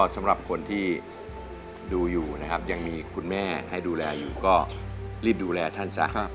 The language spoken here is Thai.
สำหรับคนที่ดูอยู่ยังมีคุณแม่ให้ดูแลอย่างนี้ก็รีบดูแลท่านซัก